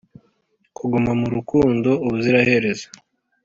kuguma mu rukundo ubuziraherezo